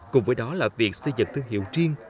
cùng với đó là việc xây dựng thương hiệu riêng